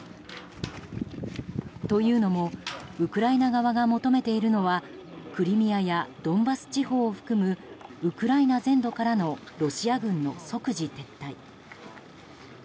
というのもウクライナ側が求めているのはクリミアやドンバス地方を含むウクライナ全土からのロシア軍の即時撤退。